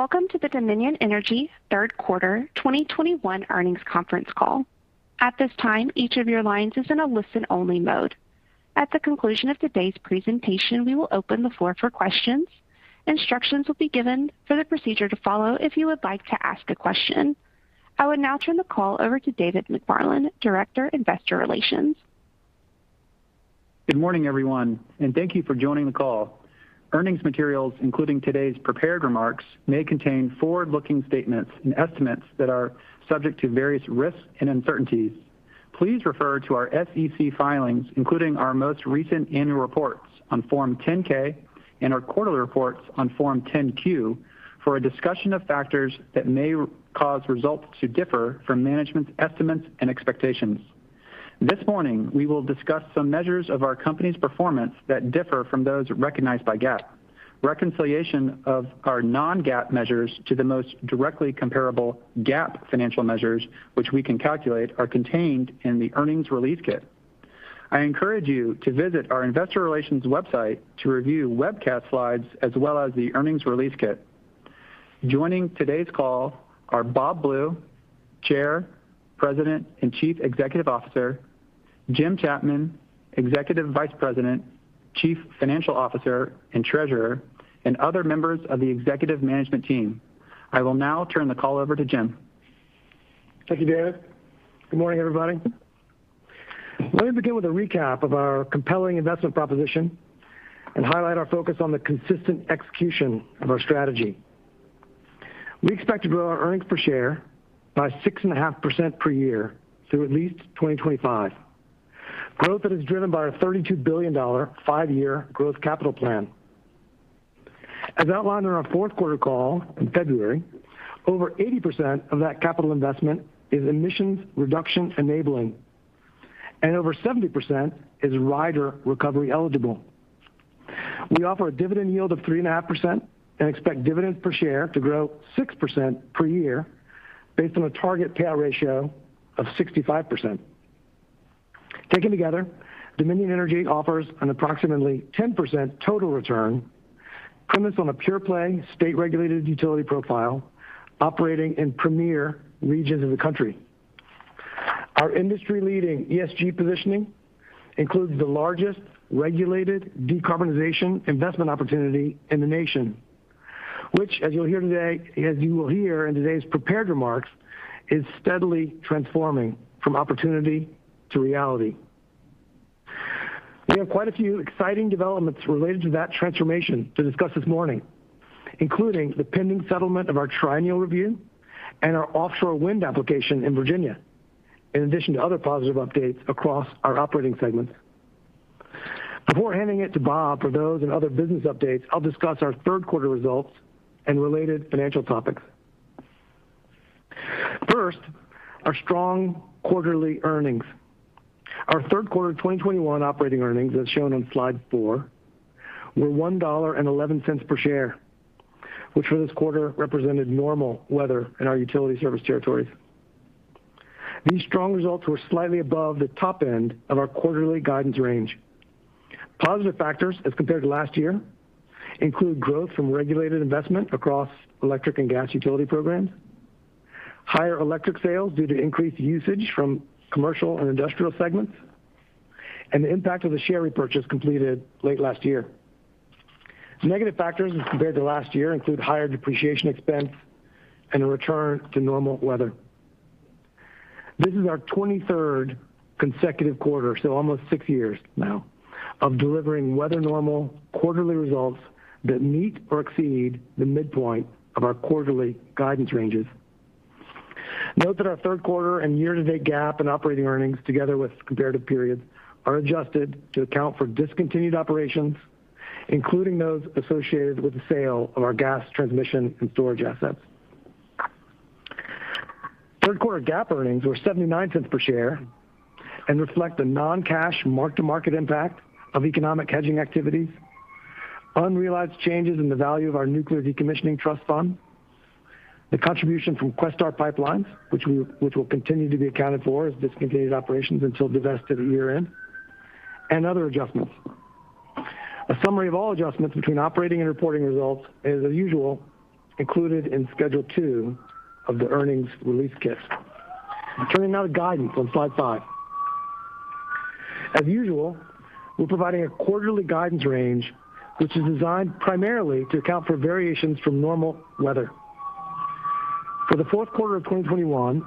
Welcome to the Dominion Energy third quarter 2021 Earnings Conference Call. At this time, each of your lines is in a listen-only mode. At the conclusion of today's presentation, we will open the floor for questions. Instructions will be given for the procedure to follow if you would like to ask a question. I would now turn the call over to David McFarland, Director, Investor Relations. Good morning, everyone, and thank you for joining the call. Earnings materials, including today's prepared remarks, may contain forward-looking statements and estimates that are subject to various risks and uncertainties. Please refer to our SEC filings, including our most recent annual reports on Form 10-K and our quarterly reports on Form 10-Q, for a discussion of factors that may cause results to differ from management's estimates and expectations. This morning, we will discuss some measures of our company's performance that differ from those recognized by GAAP. Reconciliation of our non-GAAP measures to the most directly comparable GAAP financial measures, which we can calculate, are contained in the earnings release kit. I encourage you to visit our investor relations website to review webcast slides as well as the earnings release kit. Joining today's call are Bob Blue, Chair, President, and Chief Executive Officer, Jim Chapman, Executive Vice President, Chief Financial Officer, and Treasurer, and other members of the executive management team. I will now turn the call over to Jim. Thank you, David. Good morning, everybody. Let me begin with a recap of our compelling investment proposition and highlight our focus on the consistent execution of our strategy. We expect to grow our earnings per share by 6.5% per year through at least 2025. Growth that is driven by our $32 billion five-year growth capital plan. As outlined on our fourth quarter call in February, over 80% of that capital investment is emissions reduction enabling, and over 70% is rider recovery eligible. We offer a dividend yield of 3.5% and expect dividends per share to grow 6% per year based on a target payout ratio of 65%. Taken together, Dominion Energy offers an approximately 10% total return premised on a pure-play, state-regulated utility profile operating in premier regions of the country. Our industry-leading ESG positioning includes the largest regulated decarbonization investment opportunity in the nation, which, as you will hear in today's prepared remarks, is steadily transforming from opportunity to reality. We have quite a few exciting developments related to that transformation to discuss this morning, including the pending settlement of our triennial review and our offshore wind application in Virginia, in addition to other positive updates across our operating segments. Before handing it to Bob for those and other business updates, I'll discuss our third quarter results and related financial topics. First, our strong quarterly earnings. Our third quarter 2021 operating earnings, as shown on slide four, were $1.11 per share, which for this quarter represented normal weather in our utility service territories. These strong results were slightly above the top end of our quarterly guidance range. Positive factors as compared to last year include growth from regulated investment across electric and gas utility programs, higher electric sales due to increased usage from commercial and industrial segments, and the impact of the share repurchase completed late last year. Negative factors as compared to last year include higher depreciation expense and a return to normal weather. This is our 23rd consecutive quarter, so almost six years now, of delivering weather normal quarterly results that meet or exceed the midpoint of our quarterly guidance ranges. Note that our third quarter and year-to-date GAAP and operating earnings together with comparative periods are adjusted to account for discontinued operations, including those associated with the sale of our gas transmission and storage assets. Third quarter GAAP earnings were $0.79 per share and reflect the non-cash mark-to-market impact of economic hedging activities, unrealized changes in the value of our nuclear decommissioning trust fund, the contribution from Questar Pipelines, which will continue to be accounted for as discontinued operations until divested at year-end, and other adjustments. A summary of all adjustments between operating and reporting results is as usual included in Schedule two of the earnings release kit. Turning now to guidance on slide five. As usual, we're providing a quarterly guidance range, which is designed primarily to account for variations from normal weather. For the fourth quarter of 2021,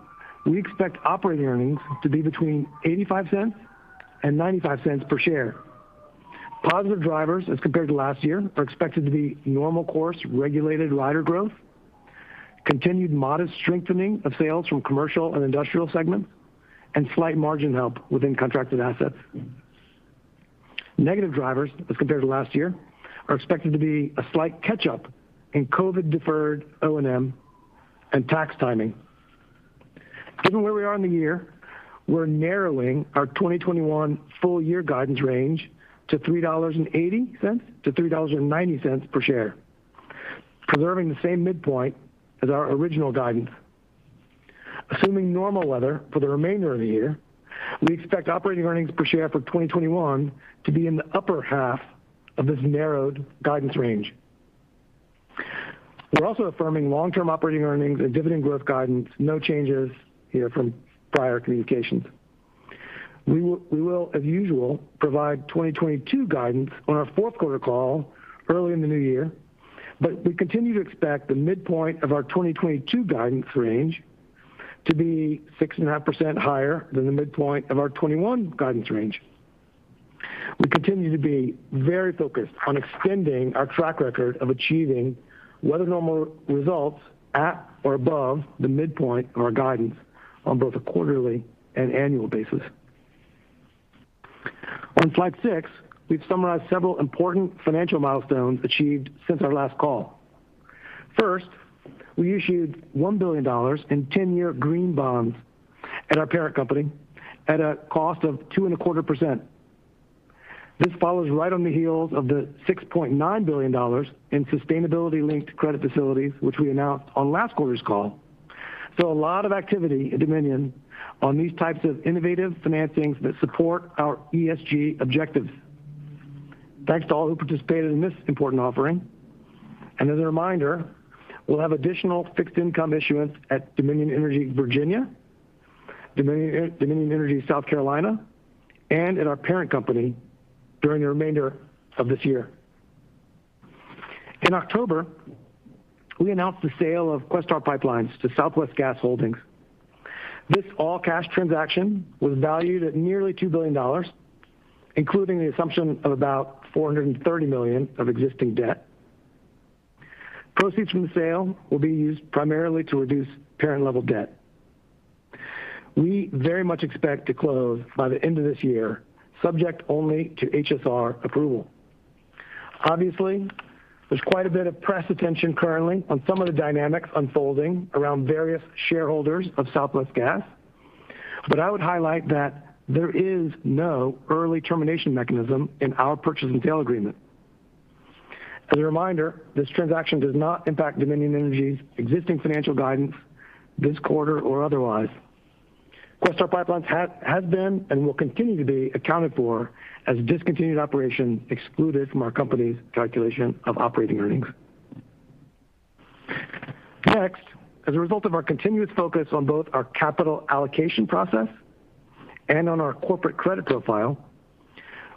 we expect operating earnings to be between $0.85 and $0.95 per share. Positive drivers as compared to last year are expected to be normal course regulated rider growth, continued modest strengthening of sales from commercial and industrial segments, and slight margin help within contracted assets. Negative drivers as compared to last year are expected to be a slight catch-up in COVID deferred O&M and tax timing. Given where we are in the year, we're narrowing our 2021 full year guidance range to $3.80 to $3.90 per share, preserving the same midpoint as our original guidance. Assuming normal weather for the remainder of the year, we expect operating earnings per share for 2021 to be in the upper-half of this narrowed guidance range. We're also affirming long-term operating earnings and dividend growth guidance. No changes here from prior communications. We will, as usual, provide 2022 guidance on our fourth quarter call early in the new year, but we continue to expect the midpoint of our 2022 guidance range to be 6.5% higher than the midpoint of our 2021 guidance range. We continue to be very focused on extending our track record of achieving weather normal results at or above the midpoint of our guidance on both a quarterly and annual basis. On slide six, we've summarized several important financial milestones achieved since our last call. First, we issued $1 billion in 10-year green bonds at our parent company at a cost of 2.25%. This follows right on the heels of the $6.9 billion in sustainability-linked credit facilities, which we announced on last quarter's call. A lot of activity at Dominion on these types of innovative financings that support our ESG objectives. Thanks to all who participated in this important offering. As a reminder, we'll have additional fixed income issuance at Dominion Energy Virginia, Dominion Energy South Carolina, and at our parent company during the remainder of this year. In October, we announced the sale of Questar Pipelines to Southwest Gas Holdings. This all-cash transaction was valued at nearly $2 billion, including the assumption of about $430 million of existing debt. Proceeds from the sale will be used primarily to reduce parent level debt. We very much expect to close by the end of this year, subject only to HSR approval. Obviously, there's quite a bit of press attention currently on some of the dynamics unfolding around various shareholders of Southwest Gas. I would highlight that there is no early termination mechanism in our purchase and sale agreement. As a reminder, this transaction does not impact Dominion Energy's existing financial guidance this quarter or otherwise. Questar Pipelines has been and will continue to be accounted for as discontinued operation excluded from our company's calculation of operating earnings. Next, as a result of our continuous focus on both our capital allocation process and on our corporate credit profile,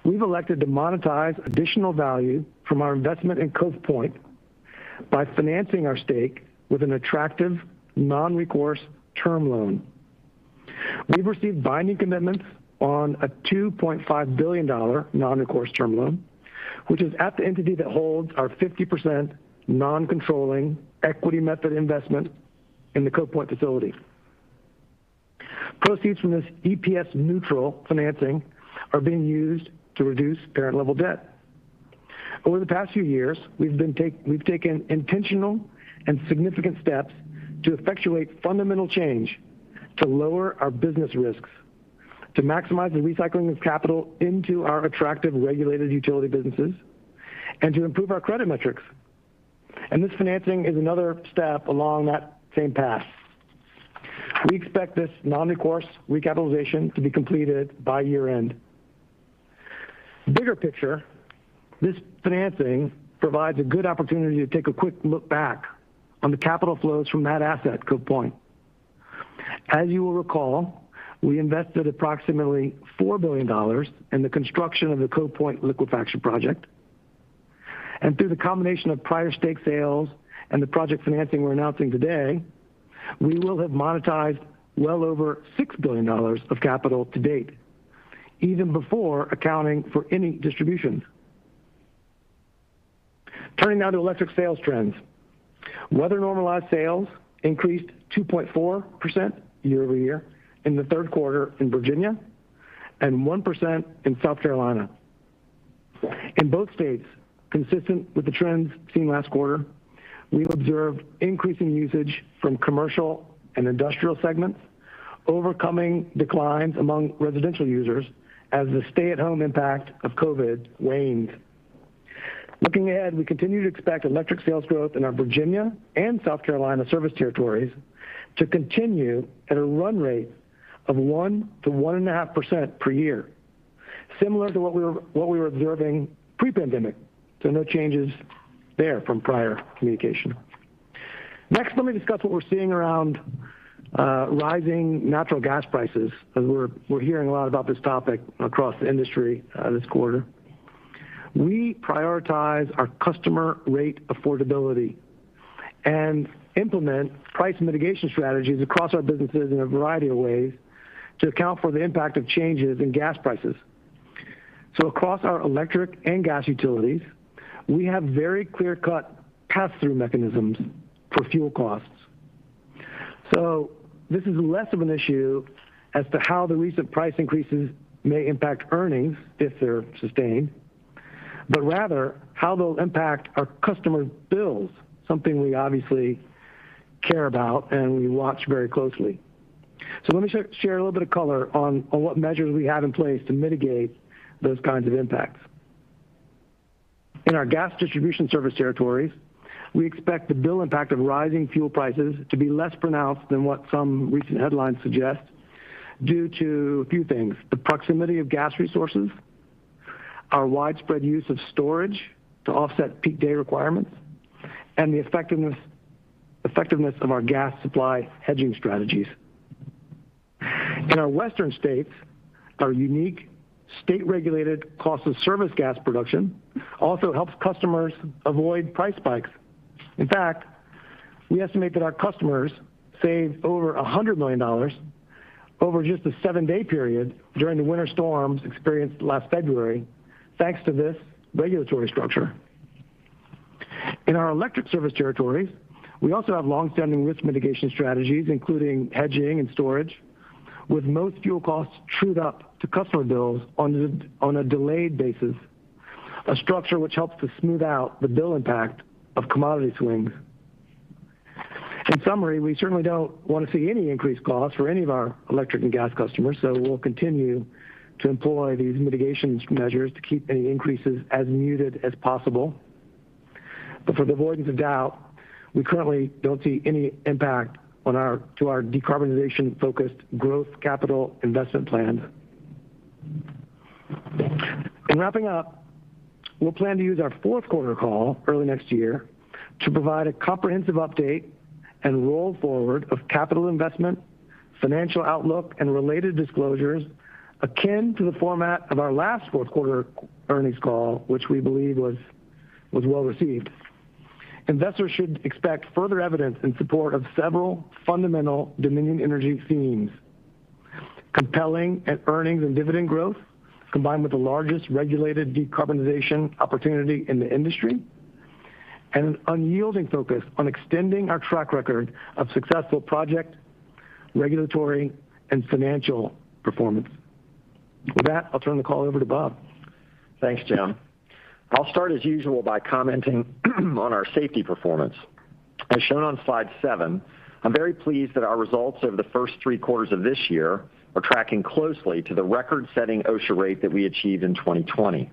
we've elected to monetize additional value from our investment in Cove Point by financing our stake with an attractive non-recourse term loan. We've received binding commitments on a $2.5 billion non-recourse term loan, which is at the entity that holds our 50% non-controlling equity method investment in the Cove Point facility. Proceeds from this EPS neutral financing are being used to reduce parent level debt. Over the past few years, we've taken intentional and significant steps to effectuate fundamental change to lower our business risks, to maximize the recycling of capital into our attractive regulated utility businesses, and to improve our credit metrics. This financing is another step along that same path. We expect this non-recourse recapitalization to be completed by year-end. Bigger picture, this financing provides a good opportunity to take a quick look back on the capital flows from that asset, Cove Point. As you will recall, we invested approximately $4 billion in the construction of the Cove Point liquefaction project. Through the combination of prior stake sales and the project financing we're announcing today, we will have monetized well over $6 billion of capital to date, even before accounting for any distributions. Turning now to electric sales trends. Weather normalized sales increased 2.4% year-over-year in the third quarter in Virginia and 1% in South Carolina. In both states, consistent with the trends seen last quarter, we observed increasing usage from commercial and industrial segments, overcoming declines among residential users as the stay-at-home impact of COVID waned. Looking ahead, we continue to expect electric sales growth in our Virginia and South Carolina service territories to continue at a run rate of 1% to 1.5% per year, similar to what we were observing pre-pandemic. No changes there from prior communication. Next, let me discuss what we're seeing around rising natural gas prices, as we're hearing a lot about this topic across the industry this quarter. We prioritize our customer rate affordability and implement price mitigation strategies across our businesses in a variety of ways to account for the impact of changes in gas prices. Across our electric and gas utilities, we have very clear cut pass-through mechanisms for fuel costs. This is less of an issue as to how the recent price increases may impact earnings if they're sustained, but rather how they'll impact our customers' bills, something we obviously care about and we watch very closely. Let me share a little bit of color on what measures we have in place to mitigate those kinds of impacts. In our gas distribution service territories, we expect the bill impact of rising fuel prices to be less pronounced than what some recent headlines suggest due to a few things. The proximity of gas resources, our widespread use of storage to offset peak day requirements, and the effectiveness of our gas supply hedging strategies. In our western states, our unique state-regulated cost of service gas production also helps customers avoid price spikes. In fact, we estimate that our customers saved over $100 million over just a seven-day period during the winter storms experienced last February thanks to this regulatory structure. In our electric service territories, we also have long-standing risk mitigation strategies, including hedging and storage, with most fuel costs trued up to customer bills on a delayed basis, a structure which helps to smooth out the bill impact of commodity swings. In summary, we certainly don't want to see any increased costs for any of our electric and gas customers, so we'll continue to employ these mitigation measures to keep any increases as muted as possible. For the avoidance of doubt, we currently don't see any impact on our decarbonization-focused growth capital investment plan. In wrapping up, we'll plan to use our fourth quarter call early next year to provide a comprehensive update and roll forward of capital investment, financial outlook, and related disclosures akin to the format of our last fourth quarter earnings call, which we believe was well-received. Investors should expect further evidence in support of several fundamental Dominion Energy themes, compelling earnings and dividend growth, combined with the largest regulated decarbonization opportunity in the industry, and an unyielding focus on extending our track record of successful project, regulatory, and financial performance. With that, I'll turn the call over to Bob. Thanks, Jim. I'll start as usual by commenting on our safety performance. As shown on slide seven, I'm very pleased that our results over the first three quarters of this year are tracking closely to the record-setting OSHA rate that we achieved in 2020.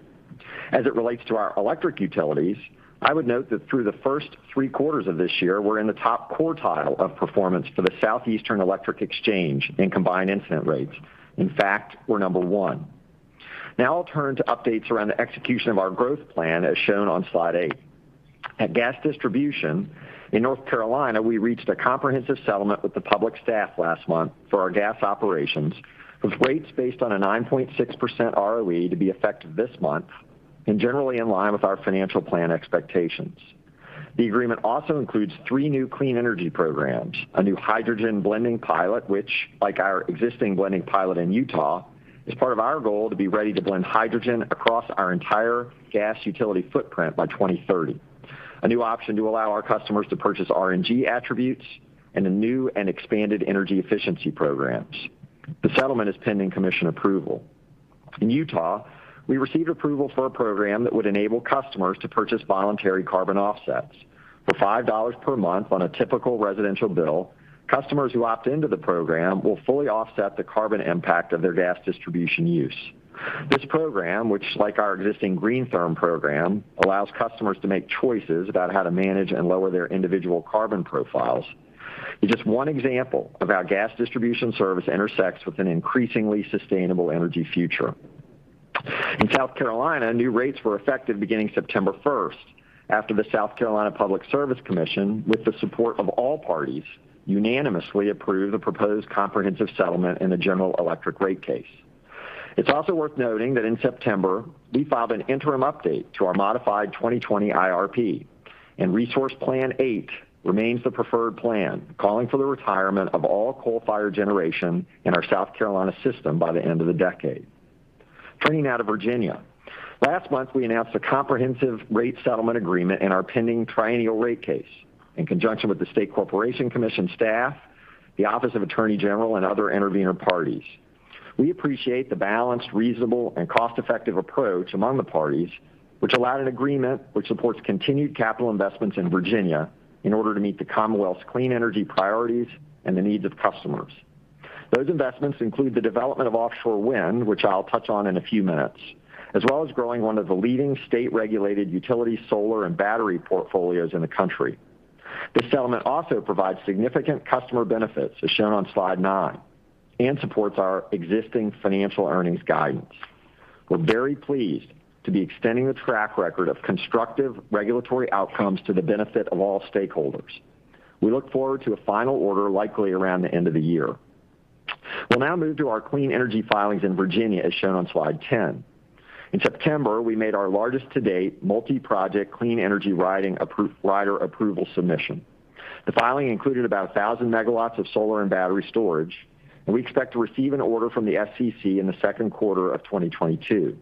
As it relates to our electric utilities, I would note that through the first three quarters of this year, we're in the top quartile of performance for the Southeastern Electric Exchange in combined incident rates. In fact, we're number one. Now I'll turn to updates around the execution of our growth plan as shown on slide eight. At gas distribution in North Carolina, we reached a comprehensive settlement with the public staff last month for our gas operations with rates based on a 9.6% ROE to be effective this month and generally in line with our financial plan expectations. The agreement also includes three new clean energy programs, a new hydrogen blending pilot, which like our existing blending pilot in Utah, is part of our goal to be ready to blend hydrogen across our entire gas utility footprint by 2030. A new option to allow our customers to purchase RNG attributes and the new and expanded energy efficiency programs. The settlement is pending commission approval. In Utah, we received approval for a program that would enable customers to purchase voluntary carbon offsets. For $5 per month on a typical residential bill, customers who opt into the program will fully offset the carbon impact of their gas distribution use. This program, which like our existing GreenTherm program, allows customers to make choices about how to manage and lower their individual carbon profiles. Just one example of how our gas distribution service intersects with an increasingly sustainable energy future. In South Carolina, new rates were effective beginning September 1st after the South Carolina Public Service Commission, with the support of all parties, unanimously approved the proposed comprehensive settlement in the general rate case. It's also worth noting that in September, we filed an interim update to our modified 2020 IRP and Resource Plan 8 remains the preferred plan, calling for the retirement of all coal-fired generation in our South Carolina system by the end of the decade. Turning now to Virginia. Last month, we announced a comprehensive rate settlement agreement in our pending triennial rate case in conjunction with the State Corporation Commission staff, the Office of the Attorney General, and other intervener parties. We appreciate the balanced, reasonable, and cost-effective approach among the parties, which allowed an agreement which supports continued capital investments in Virginia in order to meet the Commonwealth's clean energy priorities and the needs of customers. Those investments include the development of offshore wind, which I'll touch on in a few minutes, as well as growing one of the leading state-regulated utility solar and battery portfolios in the country. This settlement also provides significant customer benefits, as shown on slide nine, and supports our existing financial earnings guidance. We're very pleased to be extending the track record of constructive regulatory outcomes to the benefit of all stakeholders. We look forward to a final order likely around the end of the year. We'll now move to our clean energy filings in Virginia, as shown on slide 10. In September, we made our largest to date multi-project clean energy rider approval submission. The filing included about 1,000 MW of solar and battery storage, and we expect to receive an order from the SCC in the second quarter of 2022.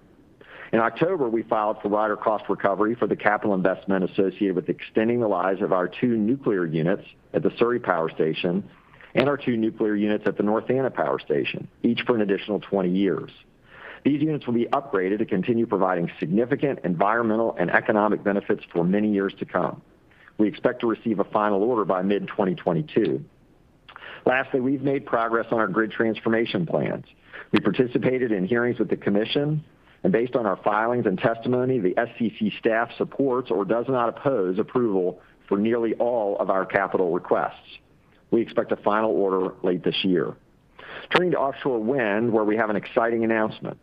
In October, we filed for rider cost recovery for the capital investment associated with extending the lives of our two nuclear units at the Surry Power Station and our two nuclear units at the North Anna Power Station, each for an additional 20 years. These units will be upgraded to continue providing significant environmental and economic benefits for many years to come. We expect to receive a final order by mid-2022. Lastly, we've made progress on our grid transformation plans. We participated in hearings with the commission, and based on our filings and testimony, the SCC staff supports or does not oppose approval for nearly all of our capital requests. We expect a final order late this year. Turning to offshore wind, where we have an exciting announcement.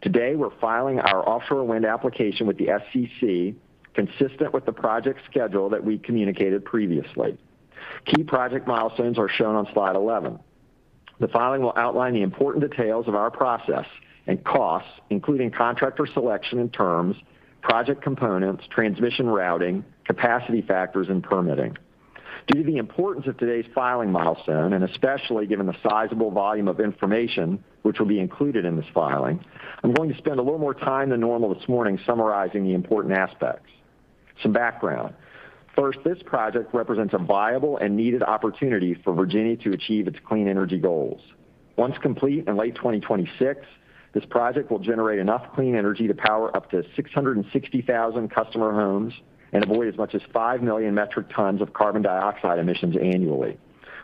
Today, we're filing our offshore wind application with the SCC consistent with the project schedule that we communicated previously. Key project milestones are shown on slide 11. The filing will outline the important details of our process and costs, including contractor selection and terms, project components, transmission routing, capacity factors, and permitting. Due to the importance of today's filing milestone, and especially given the sizable volume of information which will be included in this filing, I'm going to spend a little more time than normal this morning summarizing the important aspects. Some background. First, this project represents a viable and needed opportunity for Virginia to achieve its clean energy goals. Once complete in late 2026, this project will generate enough clean energy to power up to 660,000 customer homes and avoid as much as five million metric tons of carbon dioxide emissions annually,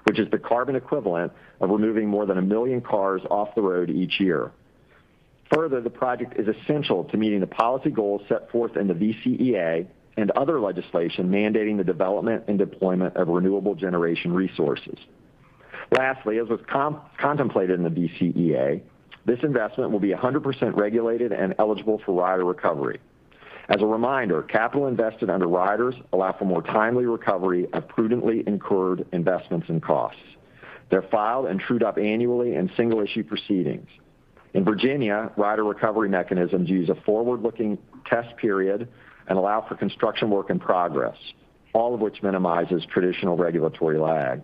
which is the carbon equivalent of removing more than one million cars off the road each year. Further, the project is essential to meeting the policy goals set forth in the VCEA and other legislation mandating the development and deployment of renewable generation resources. Lastly, as was contemplated in the VCEA, this investment will be 100% regulated and eligible for rider recovery. As a reminder, capital invested under riders allow for more timely recovery of prudently incurred investments and costs. They're filed and trued up annually in single issue proceedings. In Virginia, rider recovery mechanisms use a forward-looking test period and allow for construction work in progress, all of which minimizes traditional regulatory lag.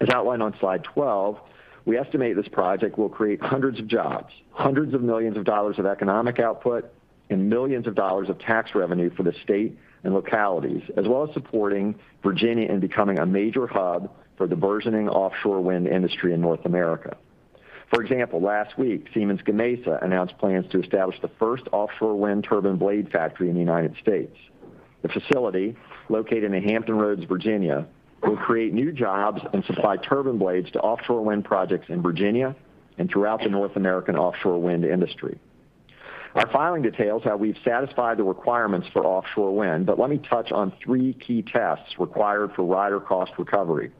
As outlined on slide 12, we estimate this project will create hundreds of jobs, hundreds of millions of dollars economic output, and millions of dollars tax revenue for the state and localities, as well as supporting Virginia in becoming a major hub for the burgeoning offshore wind industry in North America. For example, last week, Siemens Gamesa announced plans to establish the first offshore wind turbine blade factory in the United States. The facility, located in Hampton Roads, Virginia, will create new jobs and supply turbine blades to offshore wind projects in Virginia and throughout the North American offshore wind industry. Our filing details how we've satisfied the requirements for offshore wind, but let me touch on three key tests required for rider cost recovery.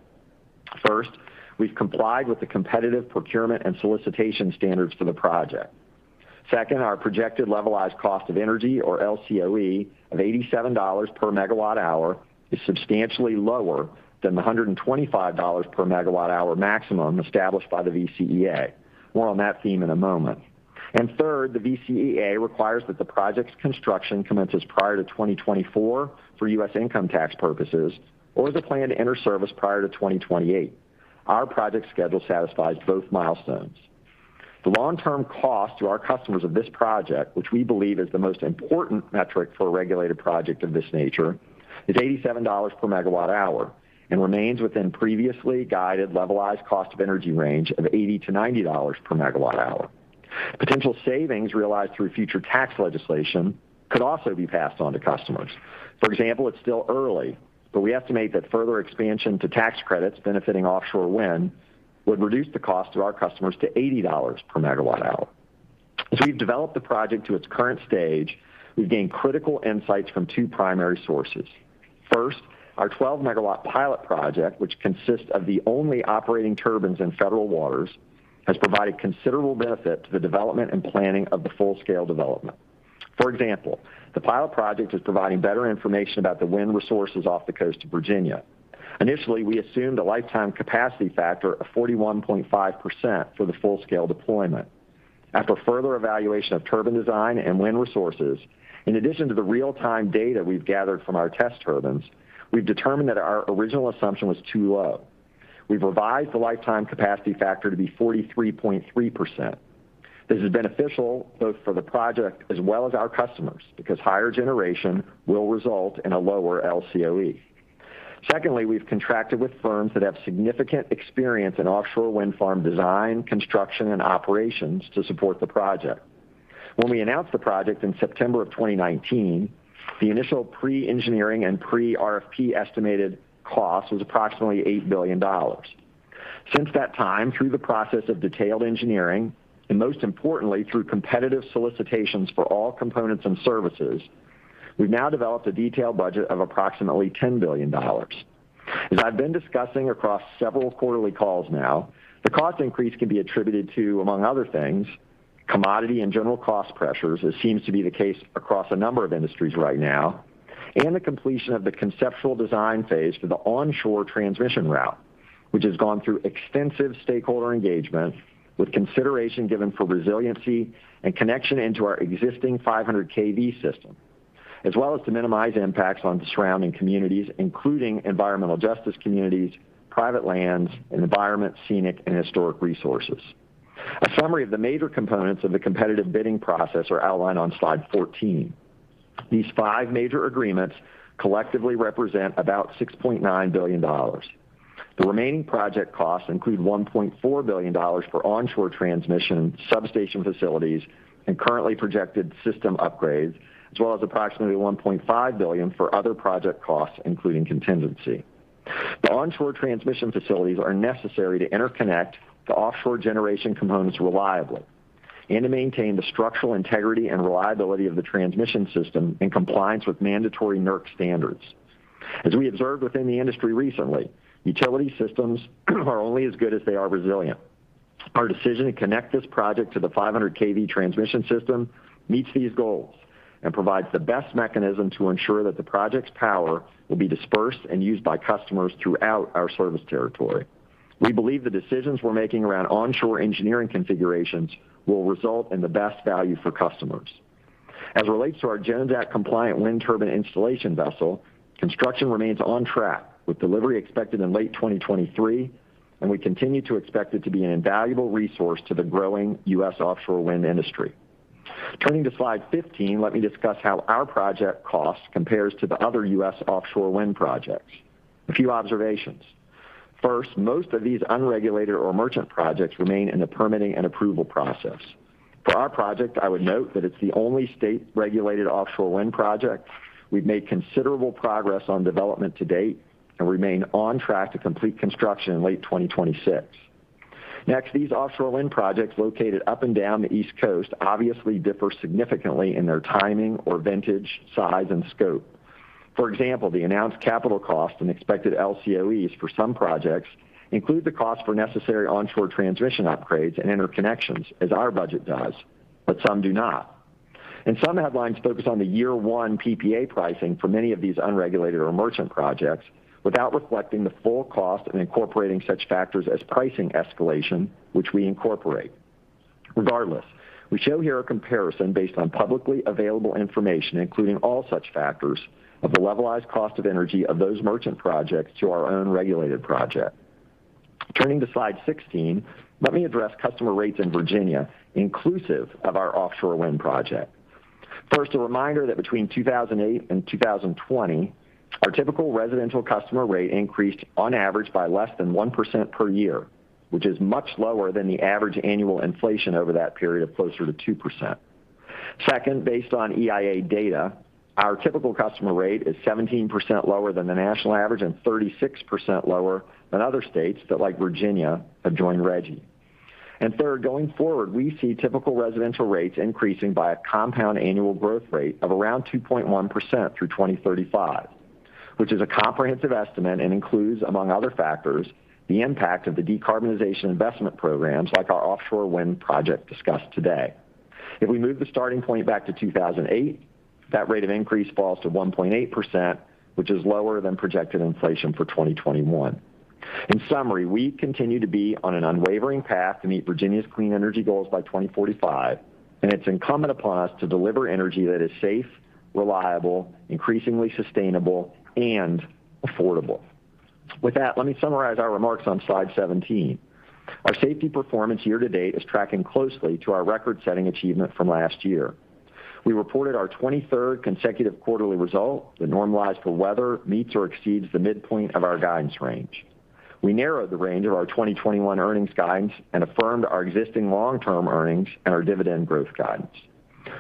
First, we've complied with the competitive procurement and solicitation standards for the project. Second, our projected levelized cost of energy, or LCOE, of $87 per MWh is substantially lower than the $125 per MWh maximum established by the VCEA. More on that theme in a moment. Third, the VCEA requires that the project's construction commences prior to 2024 for U.S. income tax purposes or is planned to enter service prior to 2028. Our project schedule satisfies both milestones. The long-term cost to our customers of this project, which we believe is the most important metric for a regulated project of this nature, is $87 per MWh and remains within previously guided levelized cost of energy range of $80 to $90 per MWh. Potential savings realized through future tax legislation could also be passed on to customers. For example, it's still early, but we estimate that further expansion to tax credits benefiting offshore wind would reduce the cost to our customers to $80 per MWh. As we've developed the project to its current stage, we've gained critical insights from two primary sources. First, our 12 MW pilot project, which consists of the only operating turbines in federal waters, has provided considerable benefit to the development and planning of the full-scale development. For example, the pilot project is providing better information about the wind resources off the coast of Virginia. Initially, we assumed a lifetime capacity factor of 41.5% for the full-scale deployment. After further evaluation of turbine design and wind resources, in addition to the real-time data we've gathered from our test turbines, we've determined that our original assumption was too low. We've revised the lifetime capacity factor to be 43.3%. This is beneficial both for the project as well as our customers because higher generation will result in a lower LCOE. Secondly, we've contracted with firms that have significant experience in offshore wind farm design, construction, and operations to support the project. When we announced the project in September of 2019, the initial pre-engineering and pre-RFP estimated cost was approximately $8 billion. Since that time, through the process of detailed engineering and most importantly, through competitive solicitations for all components and services, we've now developed a detailed budget of approximately $10 billion. As I've been discussing across several quarterly calls now, the cost increase can be attributed to, among other things, commodity and general cost pressures, as seems to be the case across a number of industries right now, and the completion of the conceptual design phase for the onshore transmission route, which has gone through extensive stakeholder engagement with consideration given for resiliency and connection into our existing 500 kV system, as well as to minimize impacts on the surrounding communities, including environmental justice communities, private lands, and environment, scenic, and historic resources. A summary of the major components of the competitive bidding process are outlined on slide 14. These five major agreements collectively represent about $6.9 billion. The remaining project costs include $1.4 billion for onshore transmission, substation facilities, and currently projected system upgrades, as well as approximately $1.5 billion for other project costs, including contingency. Onshore transmission facilities are necessary to interconnect the offshore generation components reliably and to maintain the structural integrity and reliability of the transmission system in compliance with mandatory NERC standards. As we observed within the industry recently, utility systems are only as good as they are resilient. Our decision to connect this project to the 500 kV transmission system meets these goals and provides the best mechanism to ensure that the project's power will be dispersed and used by customers throughout our service territory. We believe the decisions we're making around onshore engineering configurations will result in the best value for customers. As it relates to our Jones Act-compliant wind turbine installation vessel, construction remains on track, with delivery expected in late 2023, and we continue to expect it to be an invaluable resource to the growing U.S. offshore wind industry. Turning to slide 15, let me discuss how our project cost compares to the other U.S. offshore wind projects. A few observations. First, most of these unregulated or merchant projects remain in the permitting and approval process. For our project, I would note that it's the only state-regulated offshore wind project. We've made considerable progress on development to date and remain on track to complete construction in late 2026. Next, these offshore wind projects located up and down the East Coast obviously differ significantly in their timing or vintage, size, and scope. For example, the announced capital cost and expected LCOEs for some projects include the cost for necessary onshore transmission upgrades and interconnections, as our budget does, but some do not. Some headlines focus on the year one PPA pricing for many of these unregulated or merchant projects without reflecting the full cost of incorporating such factors as pricing escalation, which we incorporate. Regardless, we show here a comparison based on publicly available information, including all such factors of the levelized cost of energy of those merchant projects to our own regulated project. Turning to slide 16, let me address customer rates in Virginia, inclusive of our offshore wind project. First, a reminder that between 2008 and 2020, our typical residential customer rate increased on average by less than 1% per year, which is much lower than the average annual inflation over that period of closer to 2%. Second, based on EIA data, our typical customer rate is 17% lower than the national average and 36% lower than other states that, like Virginia, have joined RGGI. Third, going forward, we see typical residential rates increasing by a compound annual growth rate of around 2.1% through 2035, which is a comprehensive estimate and includes, among other factors, the impact of the decarbonization investment programs like our offshore wind project discussed today. If we move the starting point back to 2008, that rate of increase falls to 1.8%, which is lower than projected inflation for 2021. In summary, we continue to be on an unwavering path to meet Virginia's clean energy goals by 2045, and it's incumbent upon us to deliver energy that is safe, reliable, increasingly sustainable, and affordable. With that, let me summarize our remarks on slide 17. Our safety performance year to date is tracking closely to our record-setting achievement from last year. We reported our 23rd consecutive quarterly result that, normalized for weather, meets or exceeds the midpoint of our guidance range. We narrowed the range of our 2021 earnings guidance and affirmed our existing long-term earnings and our dividend growth guidance.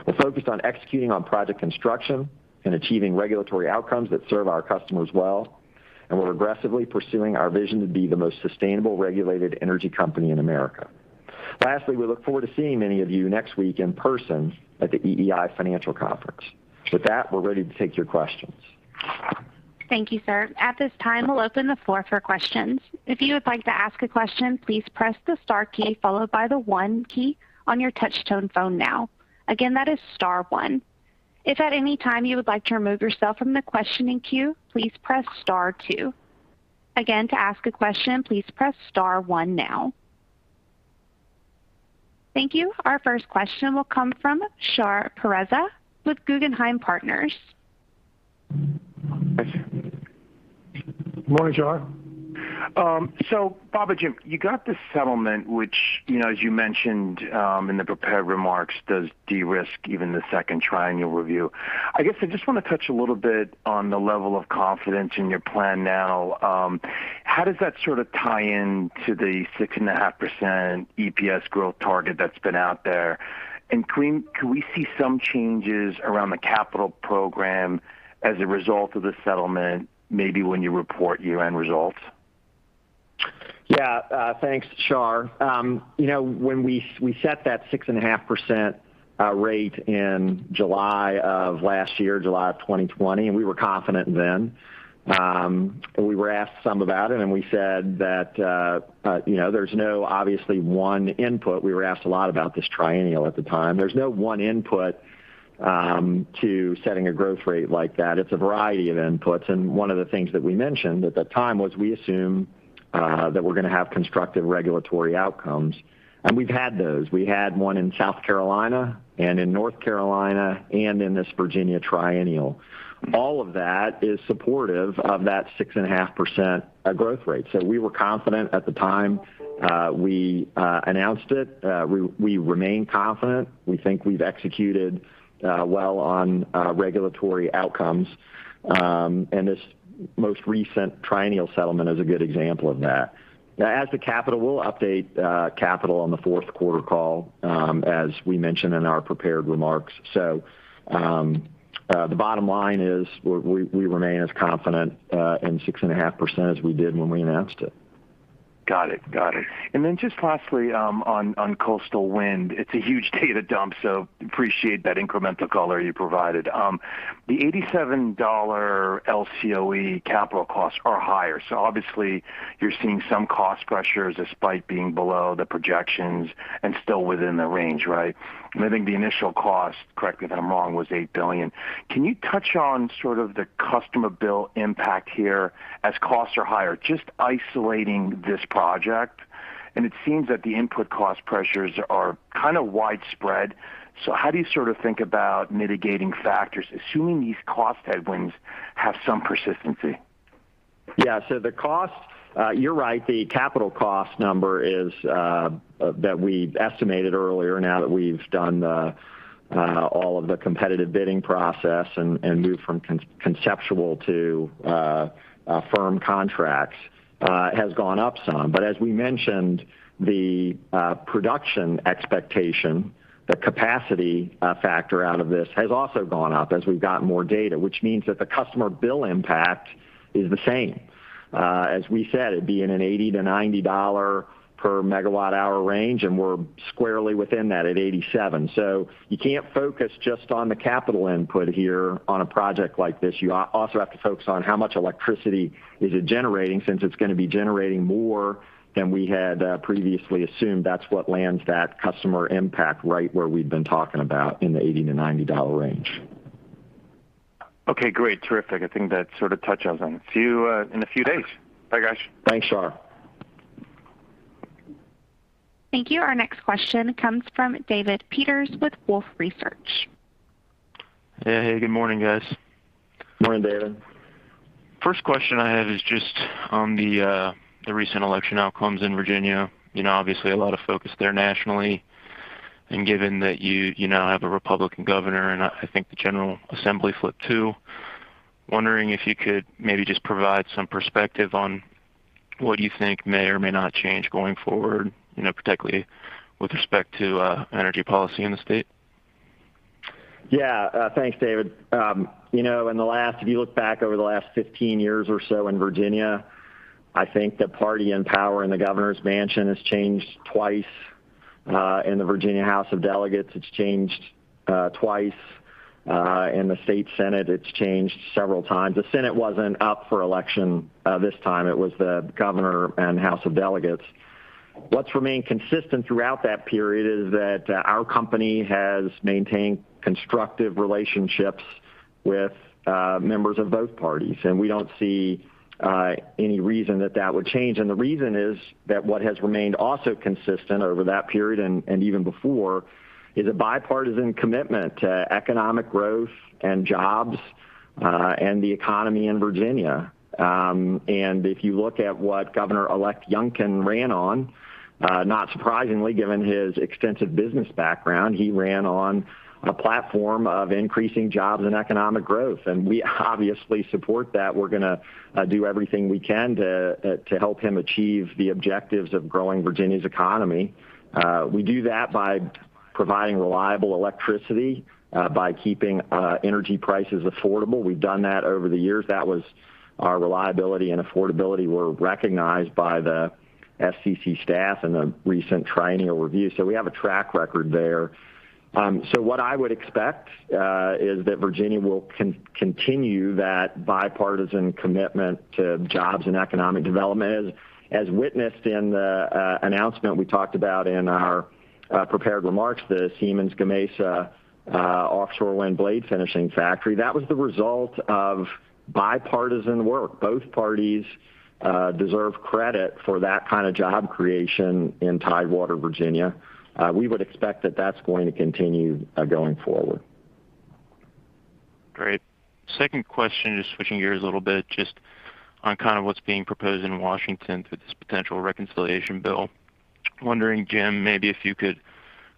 We're focused on executing on project construction and achieving regulatory outcomes that serve our customers well, and we're aggressively pursuing our vision to be the most sustainable regulated energy company in America. Lastly, we look forward to seeing many of you next week in person at the EEI Financial Conference. With that, we're ready to take your questions. Thank you, sir. At this time, we'll open the floor for questions. If you would like to ask a question, please press the star key followed by the one key on your touch-tone phone now. Again, that is star one. If at any time you would like to remove yourself from the questioning queue, please press star two. Again, to ask a question, please press star one now. Thank you. Our first question will come from Shar Pourreza with Guggenheim Partners. Good morning, Shar. Bob or Jim, you got this settlement, which, you know, as you mentioned, in the prepared remarks, does de-risk even the second triennial review. I guess I just want to touch a little bit on the level of confidence in your plan now. How does that sort of tie in to the 6.5% EPS growth target that's been out there? And can we see some changes around the capital program as a result of the settlement, maybe when you report year-end results? Yeah. Thanks, Shar. You know, when we set that 6.5% rate in July of last year, July of 2020, and we were confident then. We were asked about it and we said that you know, there's no one obvious input. We were asked a lot about this triennial at the time. There's no one input to setting a growth rate like that. It's a variety of inputs, and one of the things that we mentioned at the time was we assume that we're gonna have constructive regulatory outcomes, and we've had those. We had one in South Carolina and in North Carolina and in this Virginia triennial. All of that is supportive of that 6.5% growth rate. We were confident at the time we announced it. We remain confident. We think we've executed well on regulatory outcomes. This most recent triennial settlement is a good example of that. Now as to capital, we'll update capital on the fourth quarter call, as we mentioned in our prepared remarks. The bottom line is we remain as confident in 6.5% as we did when we announced it. Then just lastly, on coastal wind, it's a huge data dump, so I appreciate that incremental color you provided. The $87 LCOE capital costs are higher, so obviously you're seeing some cost pressures despite being below the projections and still within the range, right? I think the initial cost, correct me if I'm wrong, was $8 billion. Can you touch on sort of the customer bill impact here as costs are higher, just isolating this project? It seems that the input cost pressures are kind of widespread, so how do you sort of think about mitigating factors, assuming these cost headwinds have some persistency? Yeah. The cost, you're right, the capital cost number is that we estimated earlier, now that we've done all of the competitive bidding process and moved from conceptual to firm contracts, has gone up some. As we mentioned, the production expectation, the capacity factor out of this has also gone up as we've gotten more data, which means that the customer bill impact is the same. As we said, it'd be in a $80 to $90 per MWh range, and we're squarely within that at $87. You can't focus just on the capital input here on a project like this. You also have to focus on how much electricity is it generating since it's gonna be generating more than we had previously assumed. That's what lands that customer impact right where we've been talking about in the $80 to $90 range. Okay, great. Terrific. I think that sort of touches on a few, in a few days. Bye, guys. Thanks, Shar. Thank you. Our next question comes from David Peters with Wolfe Research. Yeah. Hey, good morning, guys. Morning, David. First question I have is just on the recent election outcomes in Virginia. You know, obviously a lot of focus there nationally. Given that you now have a Republican governor and I think the general assembly flipped too, wondering if you could maybe just provide some perspective on what you think may or may not change going forward, you know, particularly with respect to energy policy in the state. Yeah. Thanks, David. You know, if you look back over the last 15 years or so in Virginia, I think the party in power in the governor's mansion has changed twice. In the Virginia House of Delegates, it's changed twice. In the state senate, it's changed several times. The Senate wasn't up for election this time. It was the governor and House of Delegates. What's remained consistent throughout that period is that our company has maintained constructive relationships with members of both parties. We don't see any reason that that would change. The reason is that what has remained also consistent over that period and even before is a bipartisan commitment to economic growth and jobs and the economy in Virginia. If you look at what Governor-elect Youngkin ran on, not surprisingly, given his extensive business background, he ran on a platform of increasing jobs and economic growth. We obviously support that. We're gonna do everything we can to help him achieve the objectives of growing Virginia's economy. We do that by providing reliable electricity, by keeping energy prices affordable. We've done that over the years. That, our reliability and affordability, were recognized by the SCC staff in the recent triennial review. We have a track record there. What I would expect is that Virginia will continue that bipartisan commitment to jobs and economic development. As witnessed in the announcement we talked about in our prepared remarks, the Siemens Gamesa offshore wind blade finishing factory, that was the result of bipartisan work. Both parties deserve credit for that kind of job creation in Tidewater, Virginia. We would expect that that's going to continue going forward. Great. Second question, just switching gears a little bit, just on kind of what's being proposed in Washington through this potential reconciliation bill. Wondering, Jim, maybe if you could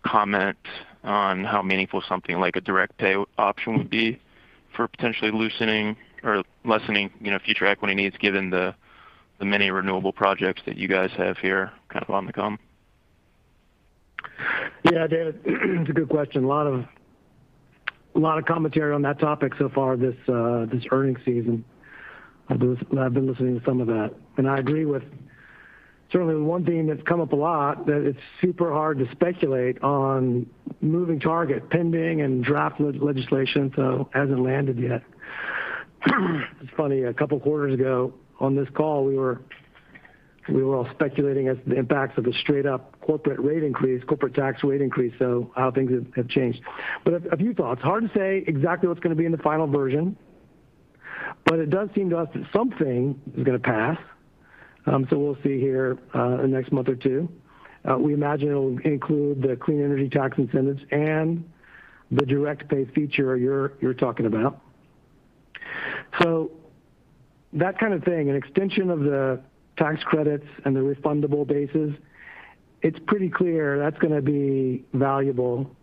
comment on how meaningful something like a direct pay option would be for potentially loosening or lessening, you know, future equity needs given the many renewable projects that you guys have here kind of on the come? Yeah. David, it's a good question. A lot of commentary on that topic so far this earnings season. I've been listening to some of that. I agree with certainly one theme that's come up a lot that it's super hard to speculate on moving target, pending and draft legislation so hasn't landed yet. It's funny, a couple quarters ago on this call, we were all speculating as to the impacts of a straight up corporate rate increase, corporate tax rate increase, so how things have changed. A few thoughts. Hard to say exactly what's gonna be in the final version, but it does seem to us that something is gonna pass. We'll see here in the next month or two. We imagine it'll include the clean energy tax incentives and the direct pay feature you're talking about. That kind of thing, an extension of the tax credits and the refundable bases, it's pretty clear that's gonna be valuable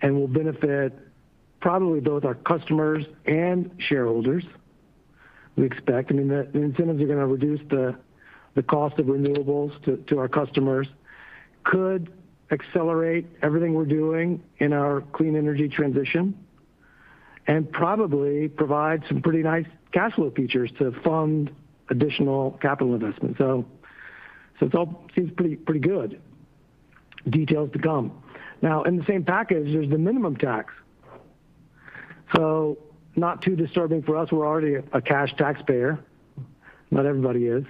and will benefit probably both our customers and shareholders. We expect, I mean, the incentives are going to reduce the cost of renewables to our customers, could accelerate everything we're doing in our clean energy transition, and probably provide some pretty nice cash flow features to fund additional capital investment. It's all pretty good. Details to come. Now, in the same package, there's the minimum tax. Not too disturbing for us. We're already a cash taxpayer. Not everybody is.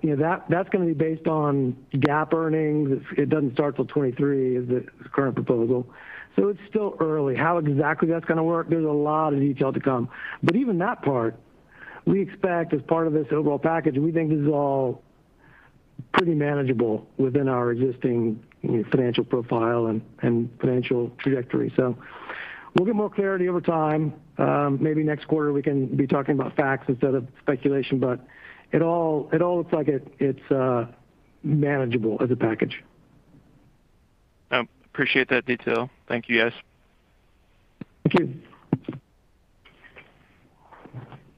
You know, that's going to be based on GAAP earnings. It doesn't start till 2023 is the current proposal. It's still early. How exactly that's going to work, there's a lot of detail to come. Even that part, we expect as part of this overall package, and we think this is all pretty manageable within our existing, you know, financial profile and financial trajectory. We'll get more clarity over time. Maybe next quarter, we can be talking about facts instead of speculation. It all looks like it's manageable as a package. Appreciate that detail. Thank you, guys. Thank you.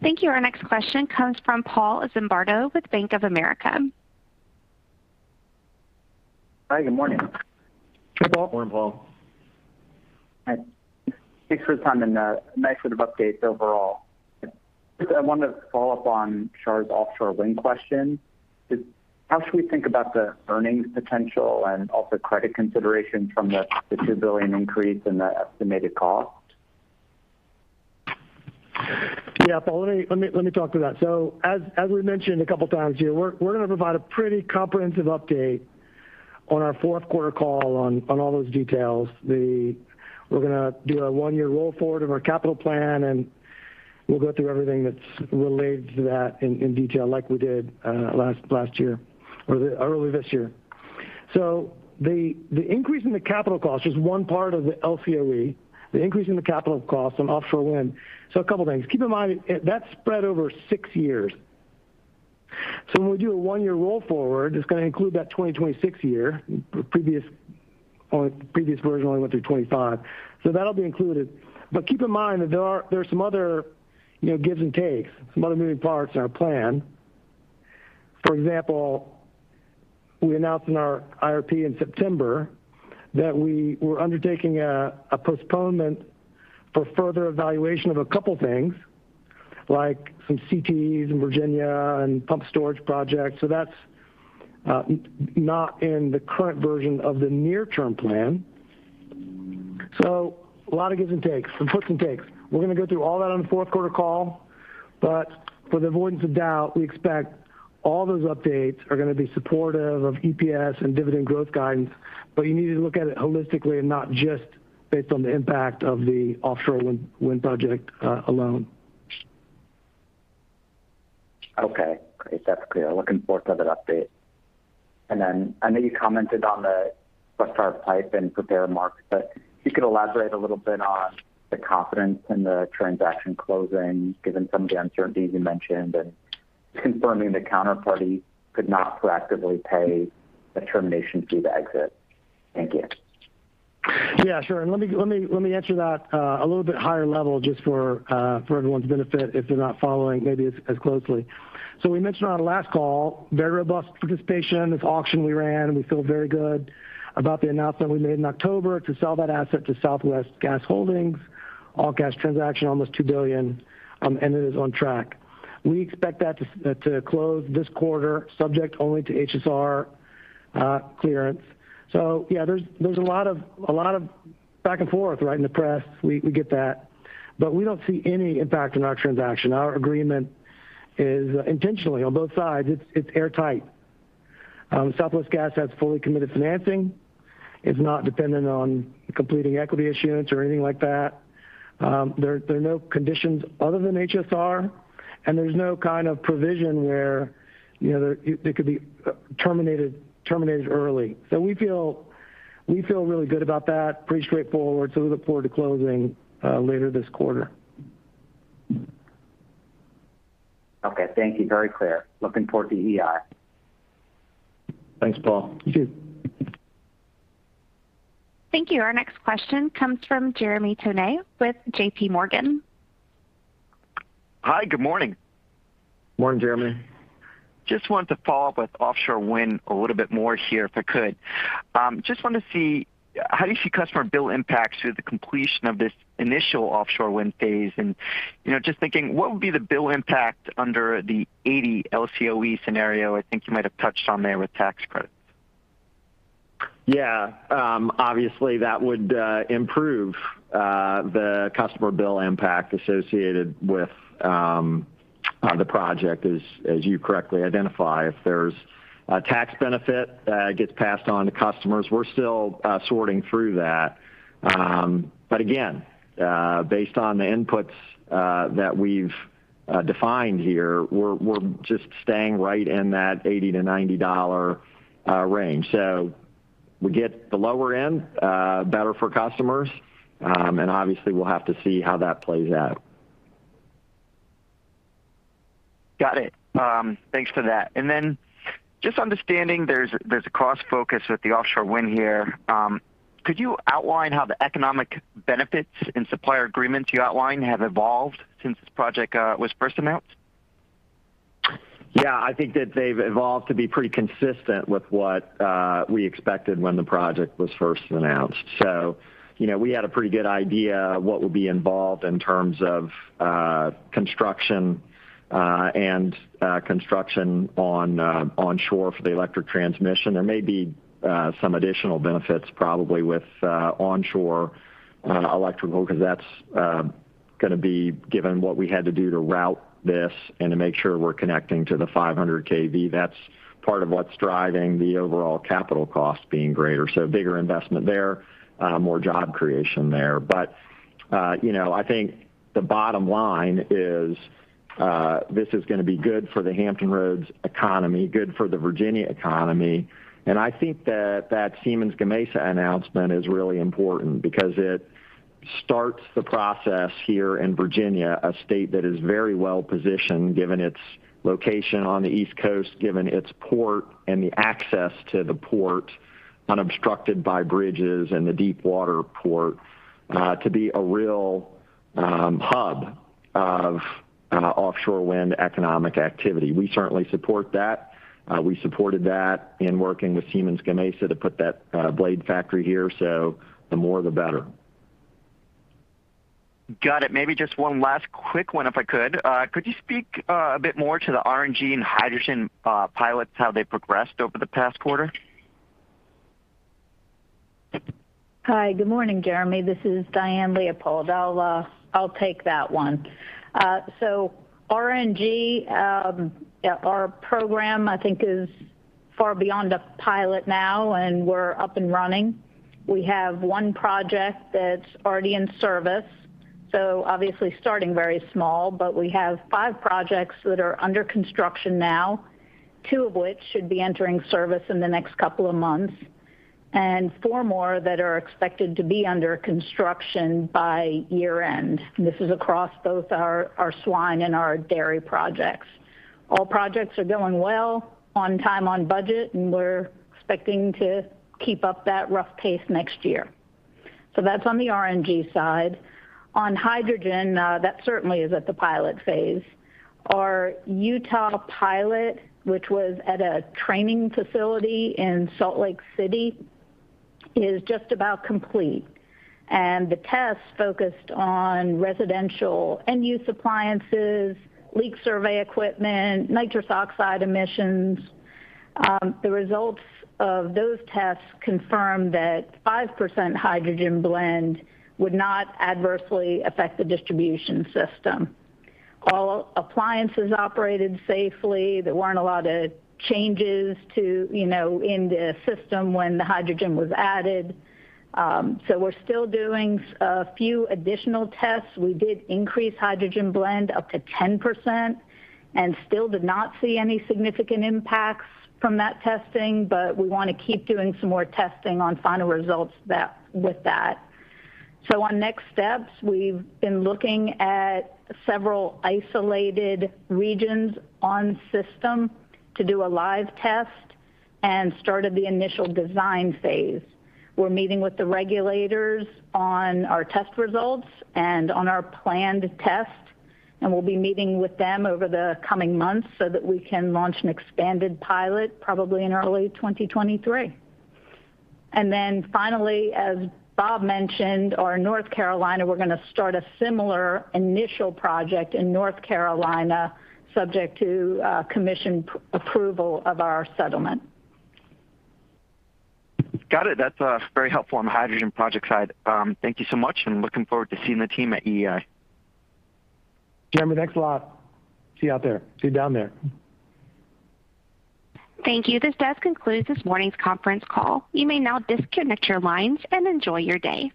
Thank you. Our next question comes from Paul Zimbardo with Bank of America. Hi. Good morning. Hey, Paul. Morning, Paul. Thanks for your time and a nice set of updates overall. I wanted to follow up on Shar's offshore wind question. How should we think about the earnings potential and also credit consideration from the $2 billion increase in the estimated cost? Yeah, Paul, let me talk to that. As we mentioned a couple of times here, we're going to provide a pretty comprehensive update on our fourth quarter call on all those details. We're gonna do our one-year roll forward of our capital plan, and we'll go through everything that's related to that in detail like we did last year or earlier this year. The increase in the capital cost is one part of the LCOE. The increase in the capital cost on offshore wind. A couple of things. Keep in mind, that's spread over six years. When we do a one year roll forward, it's gonna include that 2026 year. Our previous version only went through 2025. That'll be included. Keep in mind that there are some other, you know, gives and takes, some other moving parts in our plan. For example, we announced in our IRP in September that we were undertaking a postponement for further evaluation of a couple of things, like some CTs in Virginia and pump storage projects. That's not in the current version of the near-term plan. A lot of gives and takes, some puts and takes. We're going to go through all that on the fourth quarter call. For the avoidance of doubt, we expect all those updates are going to be supportive of EPS and dividend growth guidance. You need to look at it holistically and not just based on the impact of the offshore wind project alone. Okay. Great. That's clear. Looking forward to that update. I know you commented on the Questar Pipelines in prepared remarks, but if you could elaborate a little bit on the confidence in the transaction closing, given some of the uncertainties you mentioned and confirming the counterparty could not proactively pay a termination fee to exit? Thank you. Yeah, sure. Let me answer that a little bit higher level just for everyone's benefit, if they're not following maybe as closely. We mentioned on our last call very robust participation. This auction we ran, and we feel very good about the announcement we made in October to sell that asset to Southwest Gas Holdings. All cash transaction, almost $2 billion, and it is on track. We expect that to close this quarter, subject only to HSR clearance. Yeah, there's a lot of back and forth right in the press. We get that. We don't see any impact on our transaction. Our agreement is intentionally on both sides. It's airtight. Southwest Gas has fully committed financing. It's not dependent on completing equity issuance or anything like that. There are no conditions other than HSR, and there's no kind of provision where, you know, it could be terminated early. We feel really good about that. Pretty straightforward. We look forward to closing later this quarter. Okay. Thank you. Very clear. Looking forward to EEI. Thanks, Paul. Thank you. Thank you. Our next question comes from Jeremy Tonet with J.P. Morgan. Hi. Good morning. Morning, Jeremy. Just wanted to follow up with offshore wind a little bit more here, if I could. Just want to see how do you see customer bill impacts through the completion of this initial offshore wind phase? You know, just thinking, what would be the bill impact under the 80 LCOE scenario I think you might have touched on there with tax credits? Yeah. Obviously, that would improve the customer bill impact associated with the project as you correctly identify. If there's a tax benefit that gets passed on to customers, we're still sorting through that. Again, based on the inputs that we've defined here, we're just staying right in that $80 to $90 range. We get the lower end better for customers, and obviously we'll have to see how that plays out. Got it. Thanks for that. Just understanding there's a cost focus with the offshore wind here. Could you outline how the economic benefits and supplier agreements you outlined have evolved since this project was first announced? Yeah. I think that they've evolved to be pretty consistent with what we expected when the project was first announced. You know, we had a pretty good idea what would be involved in terms of construction on onshore for the electric transmission. There may be some additional benefits probably with onshore electrical because that's gonna be given what we had to do to route this and to make sure we're connecting to the 500 kV. That's part of what's driving the overall capital cost being greater, so bigger investment there, more job creation there. You know, I think the bottom line is this is gonna be good for the Hampton Roads economy, good for the Virginia economy. I think that Siemens Gamesa announcement is really important because it starts the process here in Virginia, a state that is very well-positioned, given its location on the East Coast, given its port and the access to the port unobstructed by bridges and the deepwater port, to be a real hub of offshore wind economic activity. We certainly support that. We supported that in working with Siemens Gamesa to put that blade factory here. The more, the better. Got it. Maybe just one last quick one if I could. Could you speak a bit more to the RNG and hydrogen pilots, how they progressed over the past quarter? Hi. Good morning, Jeremy. This is Diane Leopold. I'll take that one. So RNG, yeah, our program I think is far beyond a pilot now, and we're up and running. We have one project that's already in service, so obviously starting very small. We have five projects that are under construction now, two of which should be entering service in the next couple of months, and four more that are expected to be under construction by year-end. This is across both our swine and our dairy projects. All projects are going well, on time, on budget, and we're expecting to keep up that rough pace next year. That's on the RNG side. On hydrogen, that certainly is at the pilot phase. Our Utah pilot, which was at a training facility in Salt Lake City, is just about complete. The test focused on residential end-use appliances, leak survey equipment, nitrous oxide emissions. The results of those tests confirmed that 5% hydrogen blend would not adversely affect the distribution system. All appliances operated safely. There weren't a lot of changes to, you know, in the system when the hydrogen was added. We're still doing a few additional tests. We did increase hydrogen blend up to 10% and still did not see any significant impacts from that testing. We wanna keep doing some more testing on final results that, with that. On next steps, we've been looking at several isolated regions on system to do a live test and started the initial design phase. We're meeting with the regulators on our test results and on our planned test, and we'll be meeting with them over the coming months so that we can launch an expanded pilot probably in early 2023. Then finally, as Bob mentioned, our North Carolina, we're gonna start a similar initial project in North Carolina subject to commission approval of our settlement. Got it. That's very helpful on the hydrogen project side. Thank you so much, and looking forward to seeing the team at EEI. Jeremy, thanks a lot. See you out there. See you down there. Thank you. This does conclude this morning's conference call. You may now disconnect your lines and enjoy your day.